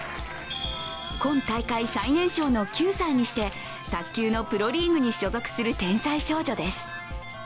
今大会最年少の９歳にして、卓球のプロリーグに所属する天才少女です。